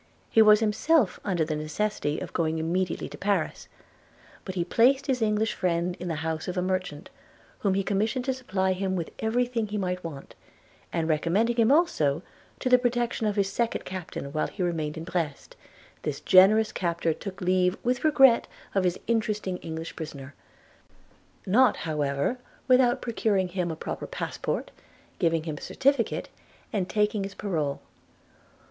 He was himself under the necessity of going immediately to Paris; – but he placed his English friend in the house of a merchant, whom he commissioned to supply him with every thing he might want; and, recommending him also to the protection of his second captain while he remained in Brest, this generous captor took leave with regret of his interesting English prisoner – not, however, without procuring him a proper passport, giving him a certificate, and taking his parole.